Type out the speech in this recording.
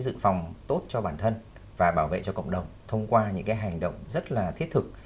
dự phòng tốt cho bản thân và bảo vệ cho cộng đồng thông qua những cái hành động rất là thiết thực